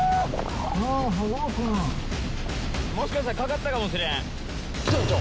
もしかしたらかかったかもしれん！